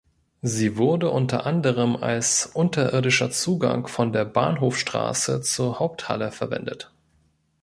Sie wurde unter anderem als unterirdischer Zugang von der Bahnhofstrasse zur Haupthalle verwendet.